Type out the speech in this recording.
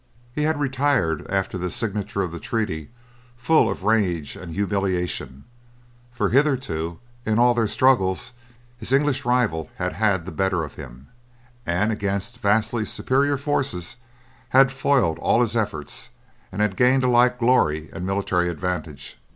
He had retired after the signature of the treaty full of rage and humiliation; for hitherto in all their struggles his English rival had had the better of him, and against vastly superior forces had foiled all his efforts and had gained alike glory and military advantage.